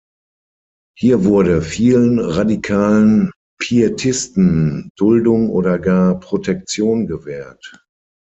Hier wurde vielen radikalen Pietisten Duldung oder gar Protektion gewährt.